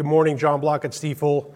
Good morning, John Block at Stifel,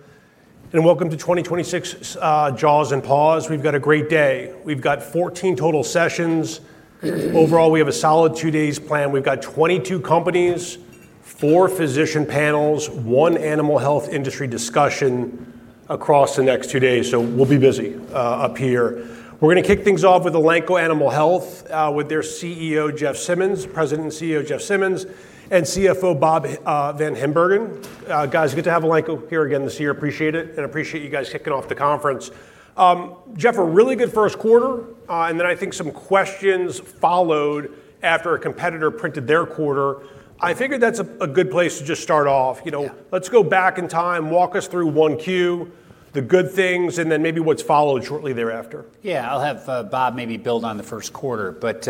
Welcome to 2026 Jaws & Paws. We've got a great day. We've got 14 total sessions. Overall, we have a solid two days planned. We've got 22 companies, four physician panels, one animal health industry discussion across the next two days. We'll be busy up here. We're going to kick things off with Elanco Animal Health, with their President and CEO, Jeff Simmons, and CFO, Bob VanHimbergen. Guys, good to have Elanco here again this year. Appreciate it. Appreciate you guys kicking off the conference. Jeff, a really good first quarter, I think some questions followed after a competitor printed their quarter. I figured that's a good place to just start off. Yeah. Let's go back in time, walk us through 1Q, the good things, and then maybe what's followed shortly thereafter. Yeah. I'll have Bob maybe build on the first quarter, but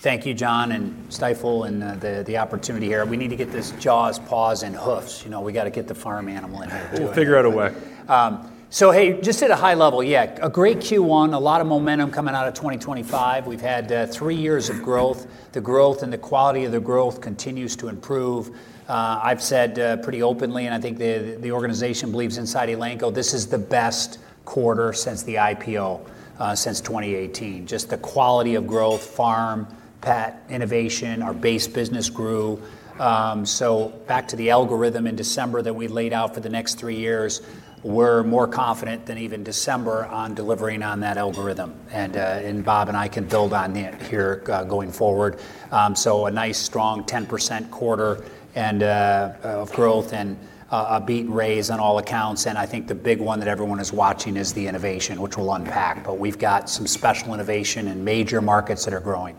thank you, John and Stifel, and the opportunity here. We need to get this Jaws, Paws and Hooves. We got to get the farm animal in there too. We'll figure out a way. Hey, just at a high level, yeah, a great Q1, a lot of momentum coming out of 2025. We've had three years of growth. The growth and the quality of the growth continues to improve. I've said pretty openly, and I think the organization believes inside Elanco, this is the best quarter since the IPO, since 2018. Just the quality of growth, farm, pet, innovation. Our base business grew. Back to the algorithm in December that we laid out for the next three years. We're more confident than even December on delivering on that algorithm. Bob and I can build on it here going forward. A nice strong 10% quarter of growth, and a beat-raise on all accounts. I think the big one that everyone is watching is the innovation, which we'll unpack. We've got some special innovation in major markets that are growing.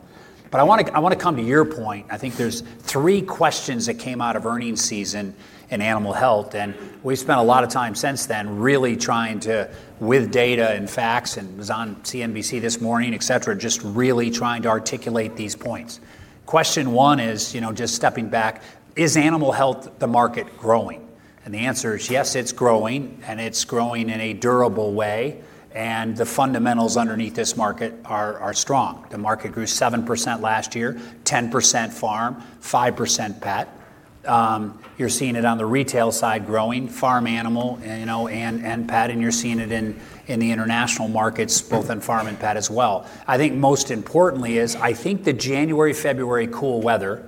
I want to come to your point. I think there's three questions that came out of earnings season in animal health, and we've spent a lot of time since then really trying to, with data and facts, and was on CNBC this morning, et cetera, just really trying to articulate these points. Question one is, just stepping back, is animal health, the market, growing? The answer is yes, it's growing, and it's growing in a durable way. The fundamentals underneath this market are strong. The market grew 7% last year, 10% farm, 5% pet. You're seeing it on the retail side growing, farm animal and pet, and you're seeing it in the international markets, both in farm and pet as well. I think most importantly is, I think the January, February cool weather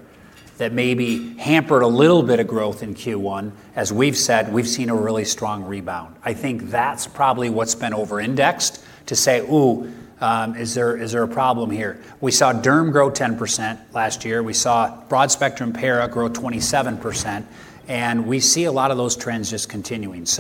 that maybe hampered a little bit of growth in Q1, as we've said, we've seen a really strong rebound. I think that's probably what's been over-indexed to say, "Ooh, is there a problem here?" We saw derm grow 10% last year. We saw broad-spectrum para grow 27%, and we see a lot of those trends just continuing. Is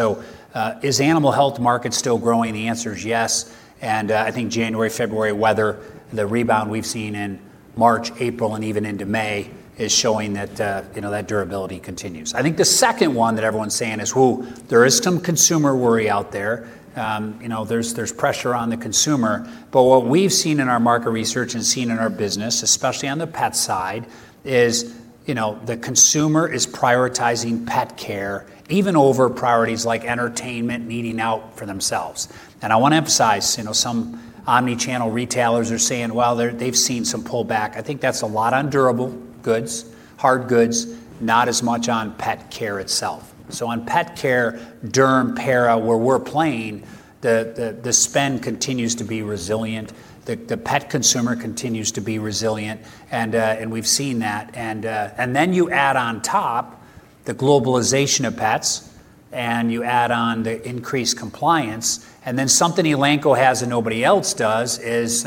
the animal health market still growing? The answer is yes, and I think January, February weather, the rebound we've seen in March, April, and even into May, is showing that durability continues. I think the second one that everyone's saying is, "Ooh," there is some consumer worry out there. There's pressure on the consumer. [But] what we've seen in our market research and seen in our business, especially on the pet side, is the consumer is prioritizing pet care even over priorities like entertainment, eating out for themselves. I want to emphasize, some omni-channel retailers are saying while they've seen some pullback. I think that's a lot on durable goods, hard goods, not as much on pet care itself. On pet care, derm, para, where we're playing, the spend continues to be resilient. The pet consumer continues to be resilient, and we've seen that. You add on top the globalization of pets, and you add on the increased compliance. Something Elanco has and nobody else does is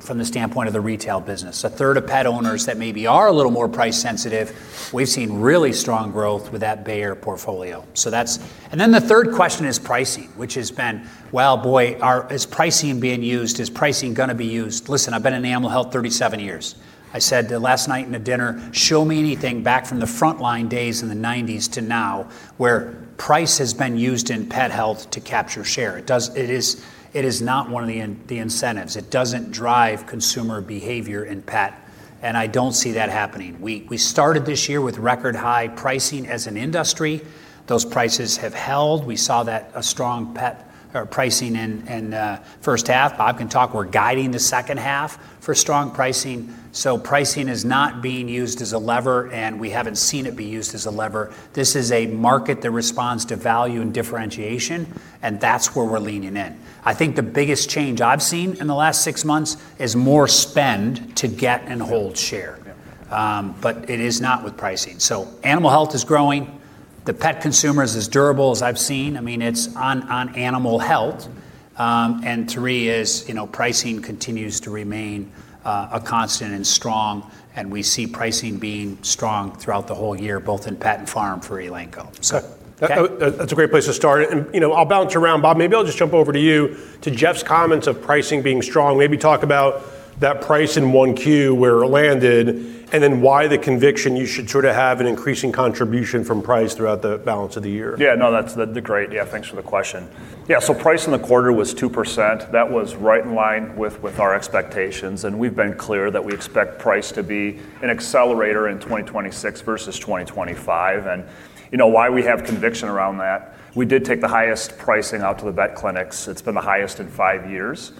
from the standpoint of the retail business. A third of pet owners that maybe are a little more price sensitive, we've seen really strong growth with that Bayer portfolio. The third question is pricing, which has been, "Well, boy, is pricing being used? Is pricing going to be used?" Listen, I've been in animal health 37 years. I said last night in a dinner, "Show me anything back from the frontline days in the 1990s to now where price has been used in pet health to capture share." It is not one of the incentives. It doesn't drive consumer behavior in pet, and I don't see that happening. We started this year with record-high pricing as an industry. Those prices have held. We saw strong pet pricing in first half. Bob VanHimbergen can talk. We're guiding the second half for strong pricing. Pricing is not being used as a lever, and we haven't seen it be used as a lever. This is a market that responds to value and differentiation, and that's where we're leaning in. I think the biggest change I've seen in the last six months is more spend to get and hold share. Yeah. It is not with pricing. Animal health is growing. The pet consumer is as durable as I've seen. It's on animal health. Three is, pricing continues to remain a constant and strong, and we see pricing being strong throughout the whole year, both in pet and farm for Elanco. Okay. That's a great place to start. I'll bounce around. Bob, maybe I'll just jump over to you, to Jeff's comments of pricing being strong. Maybe talk about that price in 1Q, where it landed, and then why the conviction you should have an increasing contribution from price throughout the balance of the year. That's great. Thanks for the question. Price in the quarter was 2%. That was right in line with our expectations. We've been clear that we expect price to be an accelerator in 2026 versus 2025. Why we have conviction around that, we did take the highest pricing out to the vet clinics. It's been the highest in five years.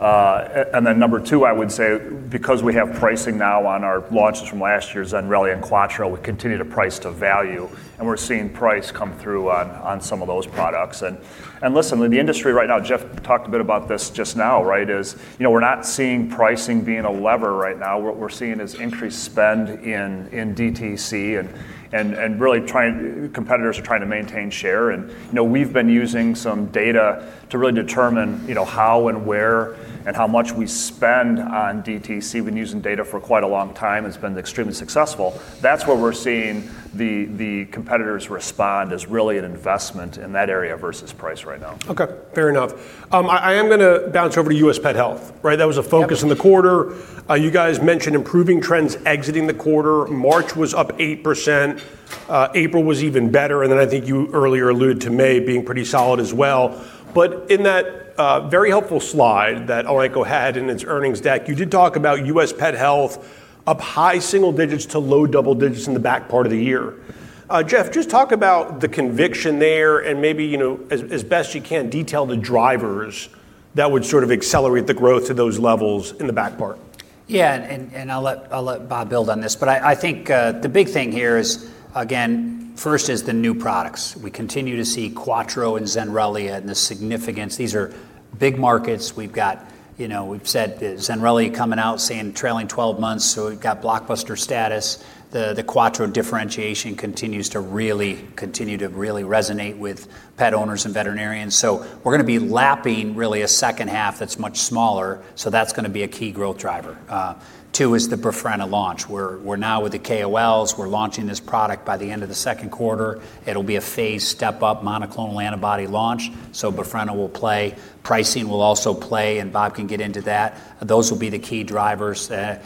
Number two, I would say, because we have pricing now on our launches from last year's Zenrelia and Credelio Quattro, we continue to price to value, and we're seeing price come through on some of those products. Listen, the industry right now, Jeff talked a bit about this just now. We're not seeing pricing being a lever right now. What we're seeing is increased spend in DTC and really competitors are trying to maintain share. We've been using some data to really determine how and where and how much we spend on DTC. We've been using data for quite a long time, it's been extremely successful. That's where we're seeing the competitors respond, is really an investment in that area versus price right now. Okay. Fair enough. I am going to bounce over to U.S. Pet health. That was a focus in the quarter. You guys mentioned improving trends exiting the quarter. March was up 8%, April was even better. I think you earlier alluded to May being pretty solid as well. In that very helpful slide that Elanco had in its earnings deck, you did talk about U.S. Pet health up high single digits to low double digits in the back part of the year. Jeff, just talk about the conviction there and maybe, as best you can, detail the drivers that would accelerate the growth to those levels in the back part. Yeah, I'll let Bob build on this, but I think the big thing here is, again, first is the new products. We continue to see Quattro and Zenrelia and the significance. These are big markets. We've said Zenrelia coming out, saying trailing 12 months, so we've got blockbuster status. The Quattro differentiation continues to really resonate with pet owners and veterinarians. We're going to be lapping really a second half that's much smaller, so that's going to be a key growth driver. Two is the Befrena launch. We're now with the KOLs. We're launching this product by the end of the second quarter. It'll be a phase step-up monoclonal antibody launch, so Befrena will play. Pricing will also play, and Bob can get into that. Those will be the key drivers. The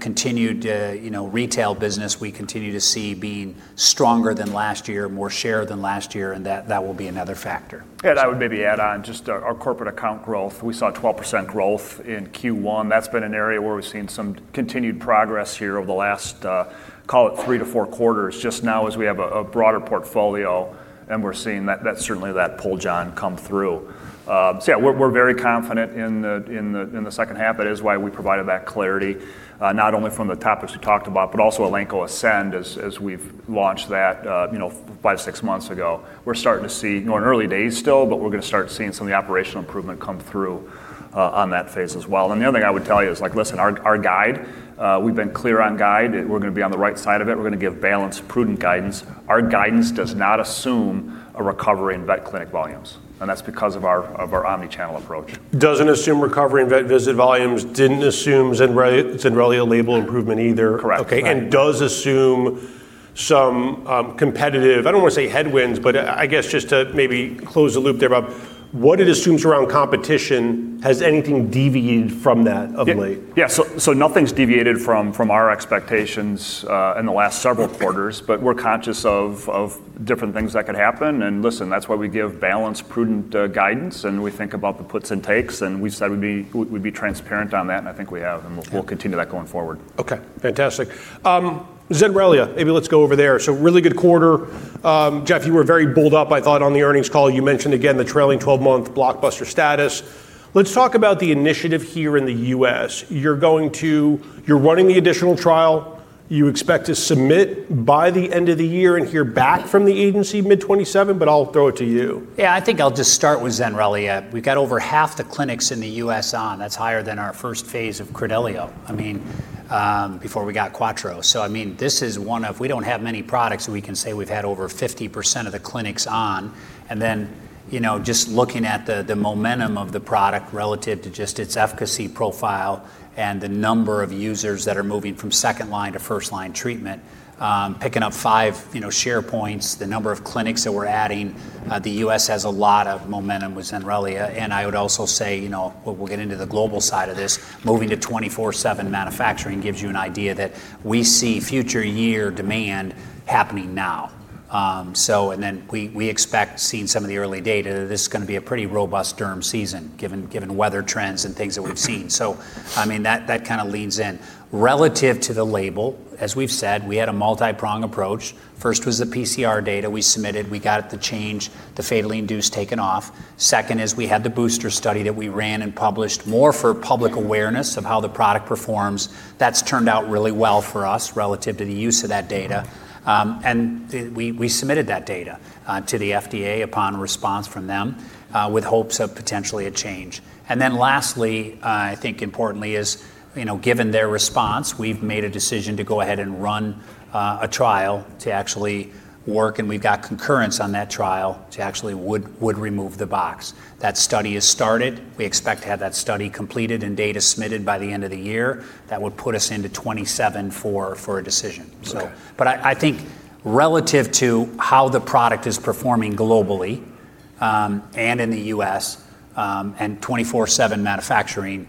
continued retail business, we continue to see being stronger than last year, more share than last year, and that will be another factor. I would maybe add on just our corporate account growth. We saw 12% growth in Q1. That's been an area where we've seen some continued progress here over the last, call it three to four quarters. Just now as we have a broader portfolio, and we're seeing certainly that pull, John, come through. Yeah, we're very confident in the second half. That is why we provided that clarity, not only from the topics we talked about, but also Elanco Ascend as we've launched that five, six months ago. We're in early days still, but we're going to start seeing some of the operational improvement come through on that phase as well. The other thing I would tell you is, listen, our guide, we've been clear on guide. We're going to be on the right side of it. We're going to give balanced, prudent guidance. Our guidance does not assume a recovery in vet clinic volumes, and that's because of our omni-channel approach. Doesn't assume recovery in vet visit volumes. Didn't assume Zenrelia label improvement either. Correct. Okay. does assume some competitive, I don't want to say headwinds, but I guess just to maybe close the loop there, Bob, what it assumes around competition, has anything deviated from that of late? Yeah. Nothing's deviated from our expectations in the last several quarters, but we're conscious of different things that could happen. Listen, that's why we give balanced, prudent guidance, and we think about the puts and takes, and we said we'd be transparent on that, and I think we have, and we'll continue that going forward. Okay, fantastic. Zenrelia, maybe let's go over there. Really good quarter. Jeff, you were very bullish, I thought, on the earnings call. You mentioned, again, the trailing 12-month blockbuster status. Let's talk about the initiative here in the U.S. You're running the additional trial. You expect to submit by the end of the year and hear back from the agency mid 2027, but I'll throw it to you. Yeah, I think I'll just start with Zenrelia. We've got over half the clinics in the U.S. on. That's higher than our first phase of Credelio, [I mean,] before we got Quattro. We don't have many products that we can say we've had over 50% of the clinics on. Then just looking at the momentum of the product relative to just its efficacy profile and the number of users that are moving from second-line to first-line treatment. Picking up five share points, the number of clinics that we're adding, the U.S. has a lot of momentum with Zenrelia. I would also say, we'll get into the global side of this, moving to 24/7 manufacturing gives you an idea that we see future year demand happening now. We expect, seeing some of the early data, this is going to be a pretty robust derm season given weather trends and things that we've seen. that kind of leans in. Relative to the label, as we've said, we had a multi-prong approach. First was the PCR data we submitted. We got the change, the fatally induced taken off. Second is we had the booster study that we ran and published more for public awareness of how the product performs. That's turned out really well for us relative to the use of that data. we submitted that data to the FDA upon response from them with hopes of potentially a change. [And then,] lastly, I think importantly is, given their response, we've made a decision to go ahead and run a trial to actually work, and we've got concurrence on that trial to actually would remove the box. That study is started. We expect to have that study completed and data submitted by the end of the year. That would put us into 2027 for a decision. Okay. [I think] relative to how the product is performing globally, and in the U.S., and 24/7 manufacturing,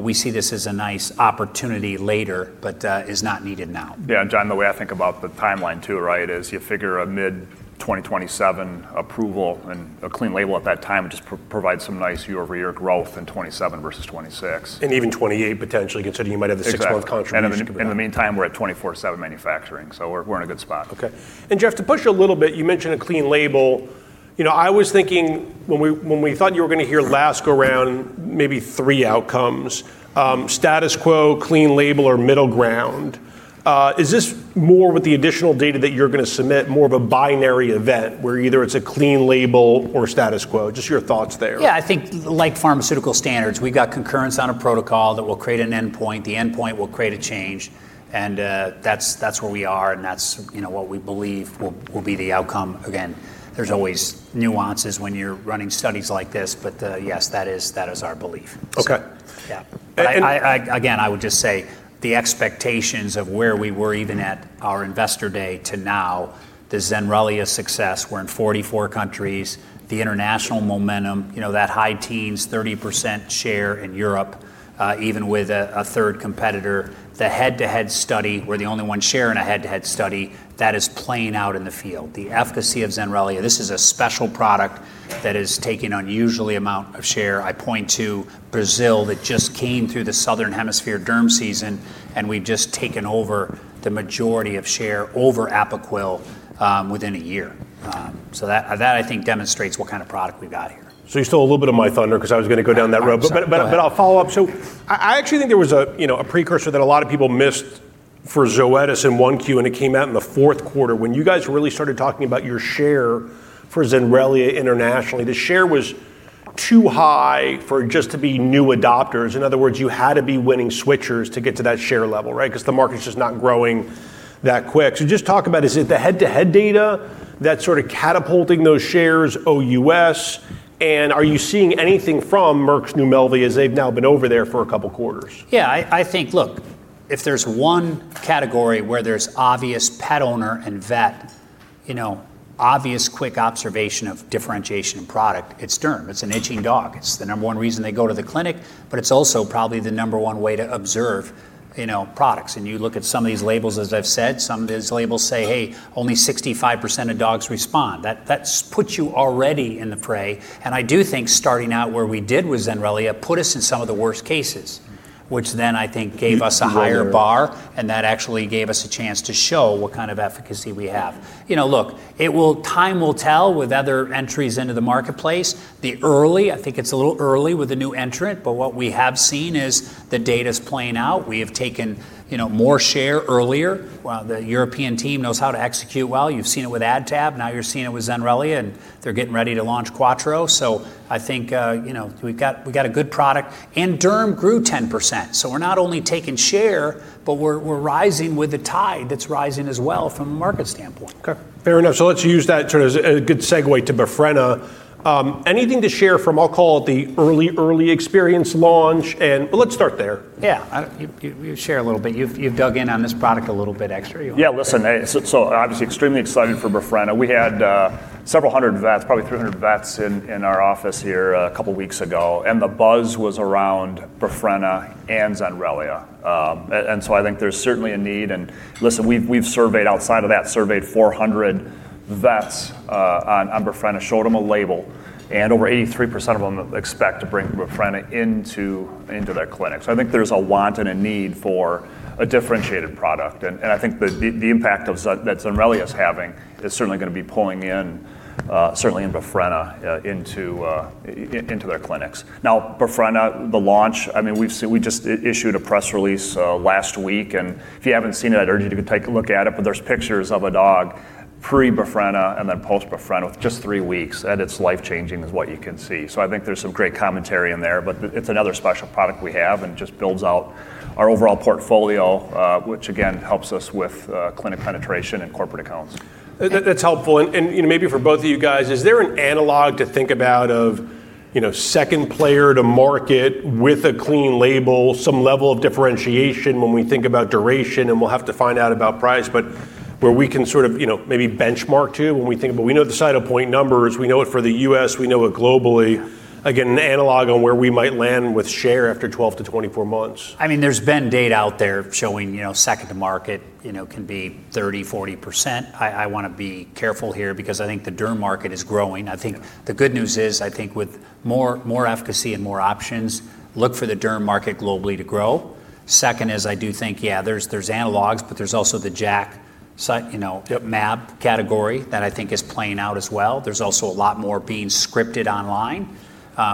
we see this as a nice opportunity later, but is not needed now. Yeah, John Block, the way I think about the timeline too, right, is you figure a mid-2027 approval and a clean label at that time just provides some nice year-over-year growth in 2027 versus 2026. Even [in 2028] potentially, considering you might have the six-month contribution. Exactly. In the meantime, we're at 24/7 manufacturing, so we're in a good spot. Okay. Jeff, to push you a little bit, you mentioned a clean label. I was thinking when we thought you were going to hear last go around maybe three outcomes, status quo, clean label, or middle ground. Is this more with the additional data that you're going to submit more of a binary event where either it's a clean label or status quo? Just your thoughts there. Yeah, I think like pharmaceutical standards, we got concurrence on a protocol that will create an endpoint. The endpoint will create a change, and that's where we are, and that's what we believe will be the outcome. Again, there's always nuances when you're running studies like this, but yes, that is our belief. Okay. Yeah. And- Again, I would just say the expectations of where we were even at our investor day to now, the Zenrelia success, we're in 44 countries. The international momentum, that high teens, 30% share in Europe, even with a third competitor. The head-to-head study, we're the only one share in a head-to-head study, that is playing out in the field. The efficacy of Zenrelia, this is a special product that is taking unusually amount of share. I point to Brazil that just came through the Southern Hemisphere derm season, and we've just taken over the majority of share over Apoquel, within a year. That I think demonstrates what kind of product we've got here. You stole a little bit of my thunder because I was going to go down that road. I'm sorry. I'll follow up. I actually think there was a precursor that a lot of people missed for Zoetis in 1Q, and it came out in the fourth quarter when you guys really started talking about your share for Zenrelia internationally. The share was too high for just to be new adopters. In other words, you had to be winning switchers to get to that share level, right? Because the market's just not growing that quick. just talk about, is it the head-to-head data that's sort of catapulting those shares OUS, and are you seeing anything from Merck's NUMELVI as they've now been over there for a couple quarters? Yeah, I think, look, if there's one category where there's obvious pet owner and vet, obvious quick observation of differentiation of product, it's derm. It's an itching dog. It's the number one reason they go to the clinic, but it's also probably the number one way to observe products. You look at some of these labels, as I've said, some of these labels say, "Hey, only 65% of dogs respond." That puts you already in the fray. I do think starting out where we did with Zenrelia put us in some of the worst cases, which then I think gave us a higher bar, and that actually gave us a chance to show what kind of efficacy we have. Look, time will tell with other entries into the marketplace. The early, I think it's a little early with a new entrant, but what we have seen is the data's playing out. We have taken more share earlier. The European team knows how to execute well. You've seen it with Adtab, now you're seeing it with Zenrelia, and they're getting ready to launch Quattro. I think we've got a good product. derm grew 10%, so we're not only taking share, but we're rising with the tide that's rising as well from a market standpoint. Okay, fair enough. let's use that sort of as a good segue to Befrena. Anything to share from, I'll call it the early experience launch and Well, let's start there. Yeah. You share a little bit. You've dug in on this product a little bit extra. Yeah, listen, obviously extremely excited for Befrena. We had several hundred vets, probably 300 vets in our office here a couple weeks ago, and the buzz was around Befrena and Zenrelia. I think there's certainly a need, and listen, we've surveyed outside of that, surveyed 400 vets on Befrena, showed them a label, and over 83% of them expect to bring Befrena into their clinic. I think there's a want and a need for a differentiated product, and I think the impact that Zenrelia's having is certainly going to be pulling in, certainly in Befrena, into their clinics. Now, Befrena, the launch, we just issued a press release, last week, and if you haven't seen it, I'd urge you to take a look at it. There's pictures of a dog pre-Befrena and then post-Befrena with just three weeks, and it's life-changing is what you can see. I think there's some great commentary in there, but it's another special product we have and just builds out our overall portfolio, which again, helps us with clinic penetration and corporate accounts. That's helpful. Maybe for both of you guys, is there an analog to think about of second player to market with a clean label, some level of differentiation when we think about duration, and we'll have to find out about price. Where we can sort of maybe benchmark to. We know the Cytopoint numbers. We know it for the U.S., we know it globally. Again, an analog on where we might land with share after 12 to 24 months. There's been data out there showing second to market can be 30, 40%. I want to be careful here because I think the derm market is growing. I think the good news is, I think with more efficacy and more options, look for the derm market globally to grow. Second is I do think, yeah, there's analogs, but there's also the JAK, you know, mAb category that I think is playing out as well. There's also a lot more being scripted online,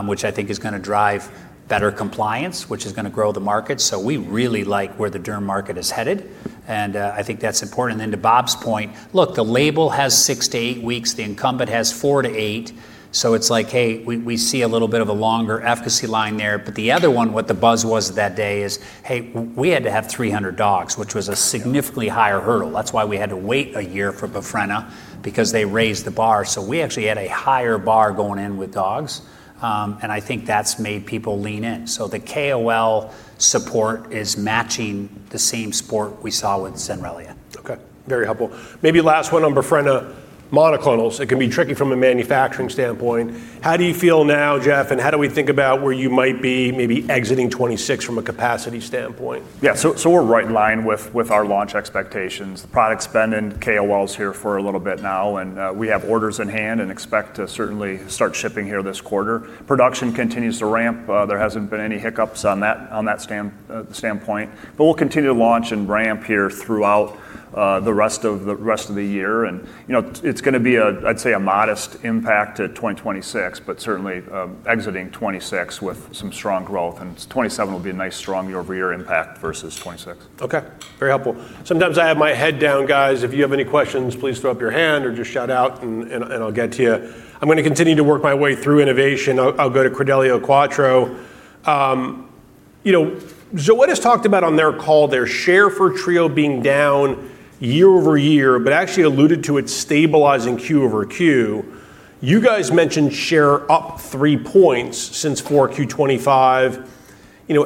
which I think is going to drive better compliance, which is going to grow the market. We really like where the derm market is headed, and I think that's important. To Bob's point, look, the label has six to eight weeks. The incumbent has four to eight, so it's like, hey, we see a little bit of a longer efficacy line there. [But] the other one, what the buzz was that day is, hey, we had to have 300 dogs, which was a significantly higher hurdle. That's why we had to wait a year for Befrena because they raised the bar. we actually had a higher bar going in with dogs, and I think that's made people lean in. the KOL support is matching the same support we saw with Zenrelia. Okay, very helpful. Maybe last one on Befrena. Monoclonals, it can be tricky from a manufacturing standpoint. How do you feel now, Jeff, and how do we think about where you might be maybe exiting 2026 from a capacity standpoint? Yeah. we're right in line with our launch expectations. The product's been in KOLs here for a little bit now, and we have orders in hand and expect to certainly start shipping here this quarter. Production continues to ramp. There hasn't been any hiccups on that standpoint, but we'll continue to launch and ramp here throughout the rest of the year. it's going to be, I'd say, a modest impact to 2026, but certainly exiting 2026 with some strong growth, and 2027 will be a nice strong year-over-year impact versus 2026. Okay, very helpful. Sometimes I have my head down, guys. If you have any questions, please throw up your hand or just shout out and I'll get to you. I'm going to continue to work my way through innovation. I'll go to Credelio Quattro. Zoetis talked about on their call their share for Trio being down year over year, but actually alluded to it stabilizing Q over Q. You guys mentioned share up three points since 4Q 2025.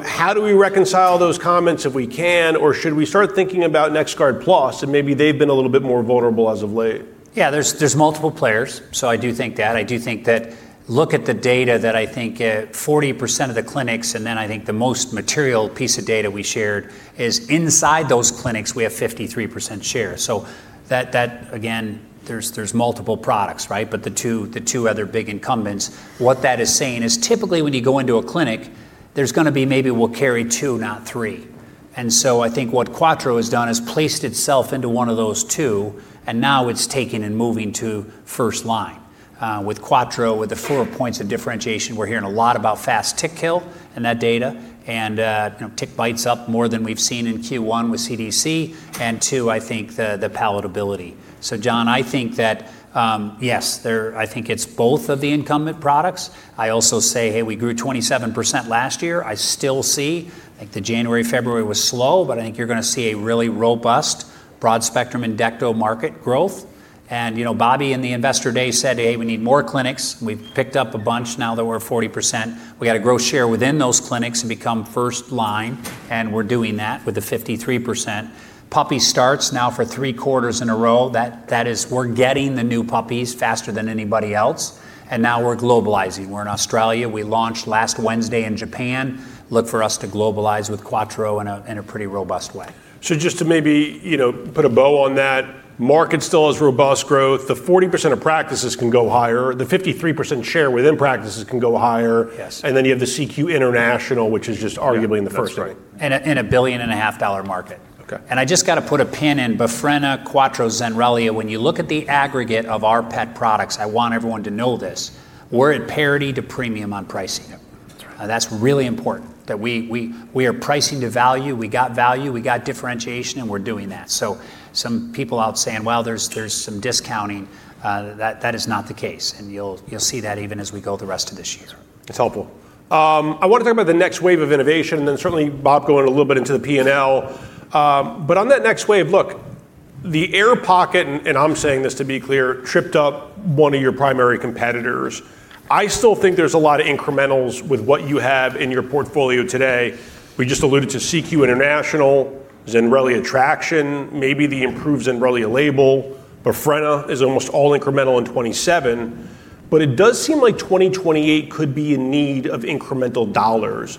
How do we reconcile those comments if we can, or should we start thinking about NexGard Plus, and maybe they've been a little bit more vulnerable as of late? Yeah, there's multiple players. I do think that. I do think that look at the data that I think at 40% of the clinics, and then I think the most material piece of data we shared is inside those clinics, we have 53% share. That again, there's multiple products. The two other big incumbents, what that is saying is typically when you go into a clinic, there's going to be maybe we'll carry two, not three. I think what Quattro has done is placed itself into one of those two, and now it's taking and moving to first line. With Quattro, with the four points of differentiation, we're hearing a lot about fast tick kill and that data and tick bites up more than we've seen in Q1 with CDC. Two, I think the palatability. John, I think that, yes, I think it's both of the incumbent products. I also say, hey, we grew 27% last year. I still see, I think the January, February was slow, but I think you're going to see a really robust, broad spectrum in endecto market growth. Bobby in the Investor Day said, "Hey, we need more clinics." We've picked up a bunch now that we're 40%. We got to grow share within those clinics and become first line, and we're doing that with the 53%. Puppy starts now for three quarters in a row. That is we're getting the new puppies faster than anybody else, and now we're globalizing. We're in Australia. We launched last Wednesday in Japan. Look for us to globalize with Quattro in a pretty robust way. [So] just to maybe put a bow on that, market still has robust growth. The 40% of practices can go higher. The 53% share within practices can go higher. Yes. You have the CQ International, which is just arguably the first thing. Yeah. That's right. In a billion and a half dollar market. Okay. I just got to put a pin in Befrena, Quattro, Zenrelia. When you look at the aggregate of our pet products, I want everyone to know this, we're at parity to premium on pricing. Yep. That's right. That's really important. That we are pricing to value. We got value, we got differentiation, and we're doing that. some people out saying, "Well, there's some discounting." That is not the case, and you'll see that even as we go the rest of this year. It's helpful. I want to talk about the next wave of innovation, and then certainly Bob going a little bit into the P&L. On that next wave, look, the air pocket, and I'm saying this to be clear, tripped up one of your primary competitors. I still think there's a lot of incrementals with what you have in your portfolio today. We just alluded to CQ International, Zenrelia traction, maybe the improved Zenrelia label. Befrena is almost all incremental in 2027. It does seem like 2028 could be in need of incremental dollars.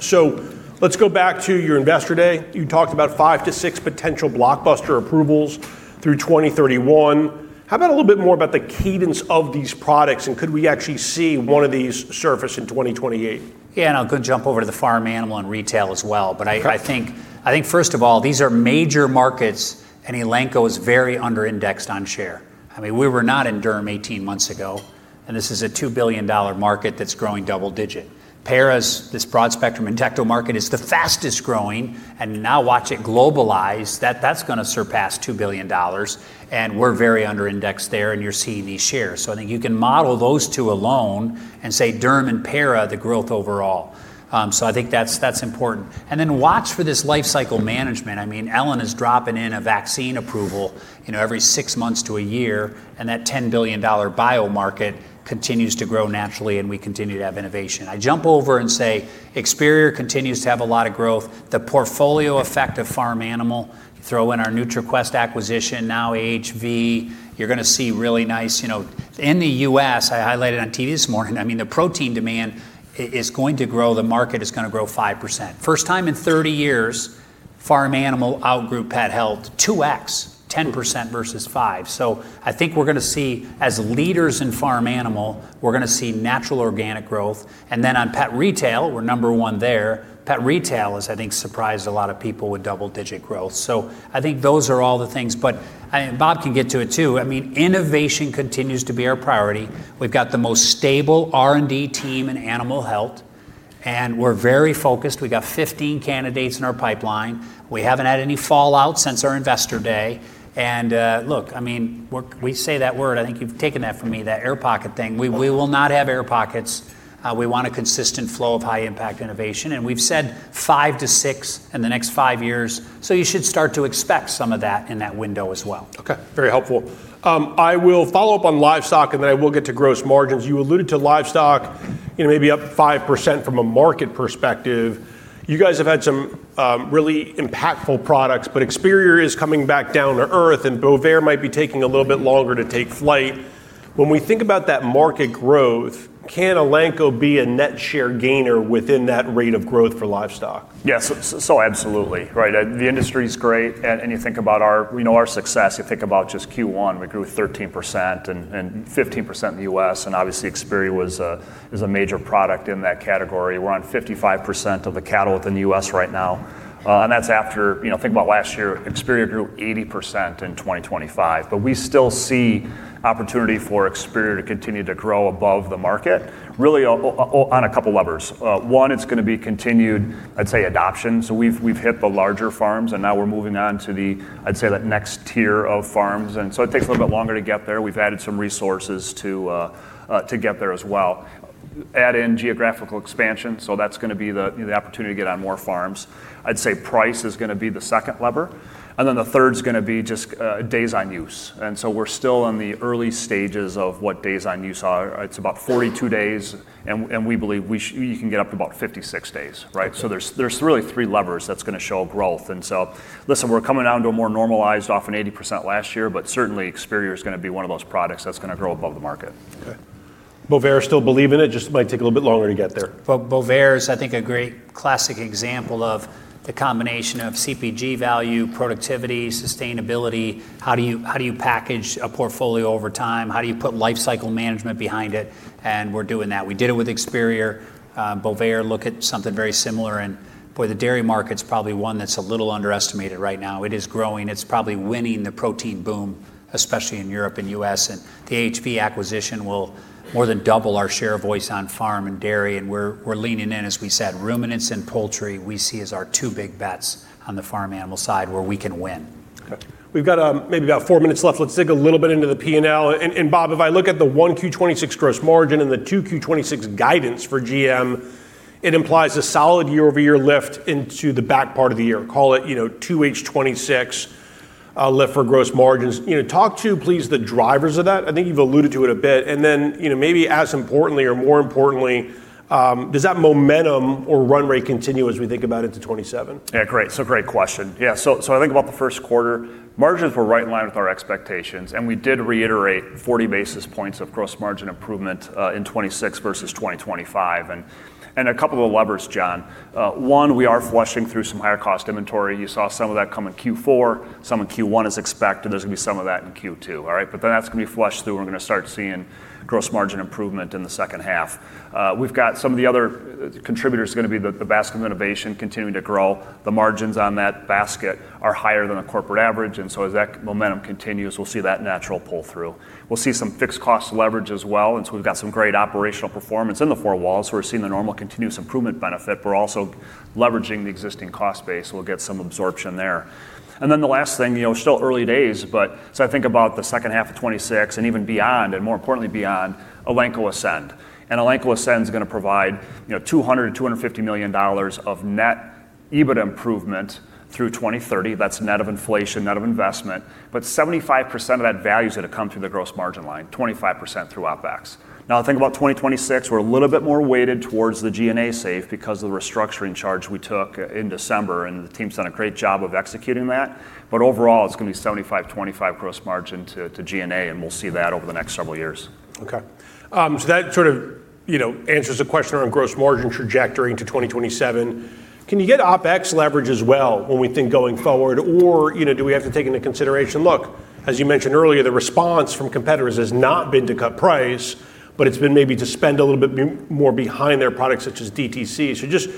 Let's go back to your Investor Day. You talked about five to six potential blockbuster approvals through 2031. How about a little bit more about the cadence of these products, and could we actually see one of these surface in 2028? Yeah, I'll go jump over to the farm animal and retail as well. Okay. I think first of all, these are major markets, and Elanco is very under-indexed on share. We were not in derm 18 months ago, and this is a $2 billion market that's growing double digit. Para's, this broad spectrum in endecto market, is the fastest growing, and now watch it globalize. That's going to surpass $2 billion, and we're very under-indexed there, and you're seeing these shares. I think you can model those two alone and say derm and para, the growth overall. I think that's important. Then watch for this life cycle management. Elanco is dropping in a vaccine approval every six months to a year, and that $10 billion bio market continues to grow naturally, and we continue to have innovation. I jump over and say Experior continues to have a lot of growth. The portfolio effect of farm animal, throw in our NutriQuest acquisition, now AHV, you're going to see really nice. In the U.S., I highlighted on TV this morning, the protein demand is going to grow. The market is going to grow 5%. First time in 30 years, farm animal outgrew pet health 2x, 10% versus 5. I think we're going to see as leaders in farm animal, we're going to see natural organic growth. On pet retail, we're number one there. Pet retail has, I think, surprised a lot of people with double-digit growth. I think those are all the things. Bob can get to it, too. Innovation continues to be our priority. We've got the most stable R&D team in animal health, and we're very focused. We got 15 candidates in our pipeline. We haven't had any fallout since our Investor Day. Look, we say that word, I think you've taken that from me, that air pocket thing. We will not have air pockets. We want a consistent flow of high impact innovation, and we've said five to six in the next five years. You should start to expect some of that in that window as well. Okay. Very helpful. I will follow up on livestock, and then I will get to gross margins. You alluded to livestock maybe up 5% from a market perspective. You guys have had some really impactful products, but Experior is coming back down to earth, and Bovaer might be taking a little bit longer to take flight. When we think about that market growth, can Elanco be a net share gainer within that rate of growth for livestock? Yes. Absolutely. The industry's great, and you think about our success. You think about just Q1, we grew 13% and 15% in the U.S., and obviously Experior was a major product in that category. We're on 55% of the cattle within the U.S. right now. That's after, think about last year, Experior grew 80% in 2025. We still see opportunity for Experior to continue to grow above the market, really on a couple levers. One, it's going to be continued, I'd say adoption. We've hit the larger farms, and now we're moving on to the, I'd say that next tier of farms, and so I think it'll take a little longer to get there. We've added some resources to get there as well. Add in geographical expansion, so that's going to be the opportunity to get on more farms. I'd say price is going to be the second lever, and then the third's going to be just days on use. We're still in the early stages of what days on use are. It's about 42 days, and we believe we can get up to about 56 days, right? There's really three levers that's going to show growth. Listen, we're coming down to a more normalized off an 80% last year, but certainly Experior is going to be one of those products that's going to grow above the market. Okay. Bovaer still believe in it, just might take a little bit longer to get there. Bovaer is, I think, a great classic example of the combination of CPG value, productivity, sustainability. How do you package a portfolio over time? How do you put life cycle management behind it? We're doing that. We did it with Experior. Bovaer look at something very similar, and boy, the dairy market's probably one that's a little underestimated right now. It is growing. It's probably winning the protein boom, especially in Europe and U.S., and the AHV acquisition will more than double our share voice on farm and dairy. We're leaning in, as we said, ruminants and poultry, we see as our two big bets on the farm animal side where we can win. Okay. We've got maybe about four minutes left. Let's dig a little bit into the P&L. Bob, if I look at the 1Q26 gross margin and the 2Q26 guidance for GM, it implies a solid year-over-year lift into the back part of the year. Call it, H2 2026 lift for gross margins. Talk to, please, the drivers of that. I think you've alluded to it a bit. Maybe as importantly or more importantly, does that momentum or run rate continue as we think about into 2027? Yeah, great. It's a great question. Yeah. I think about the first quarter, margins were right in line with our expectations. We did reiterate 40 basis points of gross margin improvement in 2026 versus 2025. A couple of levers, John. One, we are flushing through some higher-cost inventory. You saw some of that come in Q4, some in Q1 as expected. There's going to be some of that in Q2. All right. That's going to be flushed through. We're going to start seeing gross margin improvement in the second half. We've got some of the other contributors are going to be the basket of innovation continue to grow. The margins on that basket are higher than the corporate average. As that momentum continues, we'll see that natural pull-through. We'll see some fixed cost leverage as well, and so we've got some great operational performance in the four walls. We're seeing the normal continuous improvement benefit, but we're also leveraging the existing cost base. We'll get some absorption there. [And then ] the last thing, still early days, but so think about the second half of 2026 and even beyond, and more importantly beyond, Elanco Ascend. Elanco Ascend is going to provide $200 million-$250 million of net EBIT improvement through 2030. That's net of inflation, net of investment. 75% of that value is going to come through the gross margin line, 25% through OpEx. Now think about 2026, we're a little bit more weighted towards the G&A save because of the restructuring charge we took in December, and the team's done a great job of executing that. Overall, it's going to be 75/25 gross margin to G&A, and we'll see that over the next couple of years. Okay. That sort of answers the question on gross margin trajectory into 2027. Can you get OpEx leverage as well when we think going forward? Do we have to take into consideration, look, as you mentioned earlier, the response from competitors has not been to cut price, but it's been maybe to spend a little bit more behind their products such as DTC. Just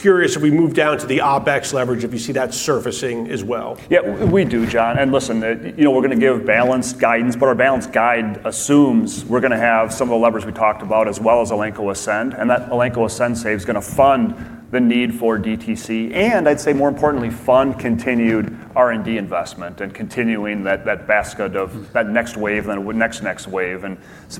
curious if we move down to the OpEx leverage, if you see that surfacing as well. Yeah, we do, John. Listen, we're going to give balanced guidance, but our balanced guide assumes we're going to have some of the levers we talked about as well as Elanco Ascend. That Elanco Ascend save is going to fund the need for DTC, and I'd say more importantly, fund continued R&D investment and continuing that basket of that next wave and next wave.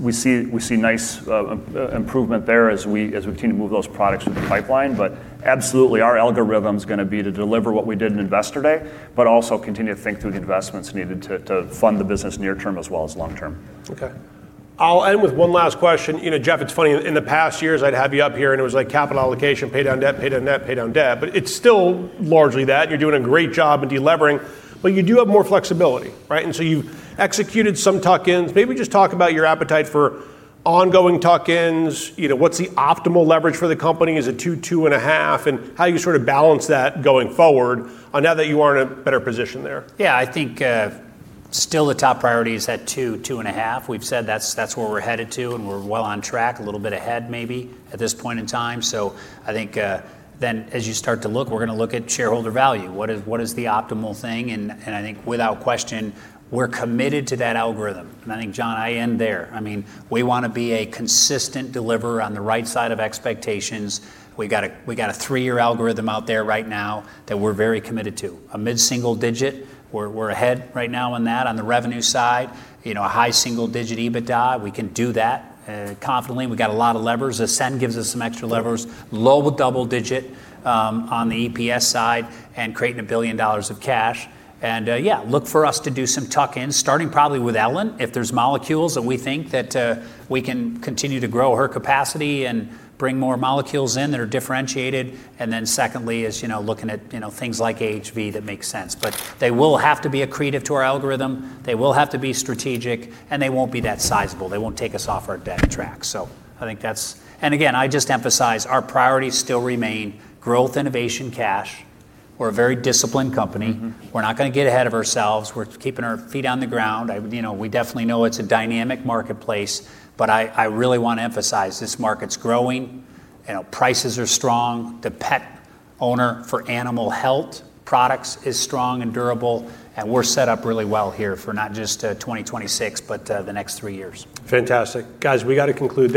We see nice improvement there as we continue to move those products through the pipeline. Absolutely, our algorithm's going to be to deliver what we did in Investor Day, but also continue to think through the investments needed to fund the business near term as well as long term. Okay. I'll end with one last question. Jeff, it's funny, in the past years, I'd have you up here, and it was like capital allocation, pay down debt, pay down debt, pay down debt. It's still largely that. You're doing a great job in delevering, but you do have more flexibility, right? You've executed some tuck-ins. Maybe just talk about your appetite for ongoing tuck-ins. What's the optimal leverage for the company? Is it two and a half? How you sort of balance that going forward now that you are in a better position there. Yeah, I think still the top priority is that two and a half. We've said that's where we're headed to, and we're well on track, a little bit ahead maybe at this point in time. I think as you start to look, we're going to look at shareholder value. What is the optimal thing? I think without question, we're committed to that algorithm. I think John, I am there. We want to be a consistent deliverer on the right side of expectations. We got a three-year algorithm out there right now that we're very committed to. A mid-single digit. We're ahead right now on that on the revenue side. A high single-digit EBITDA. We can do that confidently. We got a lot of levers. Ascend gives us some extra levers. Lower double digit on the EPS side and creating $1 billion of cash. Yeah, look for us to do some tuck-ins, starting probably with Elanco. If there's molecules that we think that we can continue to grow her capacity and bring more molecules in that are differentiated. secondly is looking at things like AHV that make sense. [But] they will have to be accretive to our algorithm. They will have to be strategic, and they won't be that sizable. They won't take us off our debt track. again, I just emphasize our priorities still remain growth, innovation, cash. We're a very disciplined company. We're not going to get ahead of ourselves. We're keeping our feet on the ground. We definitely know it's a dynamic marketplace. I really want to emphasize this market's growing. Prices are strong. The pet owner for animal health products is strong and durable, and we're set up really well here for not just 2026, but the next three years. Fantastic. Guys, we got to conclude there.